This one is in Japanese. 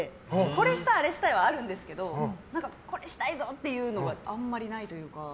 これしたい、あれしたいはあるんですけどこれしたいぞ！っていうのがあんまりないというか。